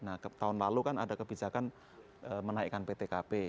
nah tahun lalu kan ada kebijakan menaikkan ptkp